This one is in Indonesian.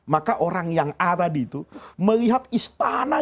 maka orang yang a tadi itu melihat istana